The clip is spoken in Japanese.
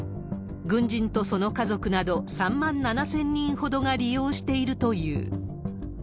軍人とその家族など、３万７０００人ほどが利用しているという。